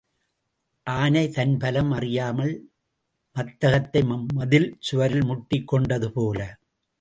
ஆனை தன் பலம் அறியாமல் மத்தகத்தை மதில் சுவரில் முட்டிக் கொண்டது போல.